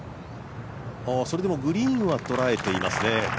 それでもグリーンは捉えていますね。